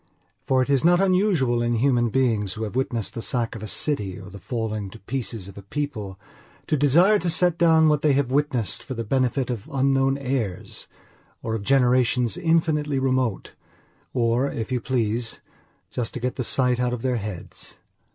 For it is not unusual in human beings who have witnessed the sack of a city or the falling to pieces of a people to desire to set down what they have witnessed for the benefit of unknown heirs or of generations infinitely remote; or, if you please, just to get the sight out of their heads.